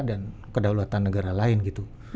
dan kedahuluan negara lain gitu